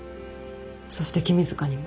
そして君塚にも。